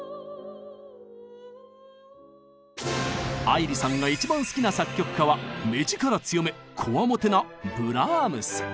愛理さんが一番好きな作曲家は目力強めこわもてなブラームス。